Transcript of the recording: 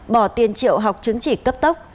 bỏ tiền triệu học chứng chỉ cấp tốc